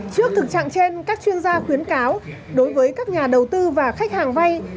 trước thực trạng trên các chuyên gia khuyến cáo đối với các nhà đầu tư và khách hàng vay